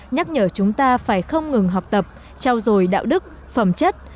nhắc nhở chúng ta phải không ngừng học tập trao dồi đạo đức phẩm chất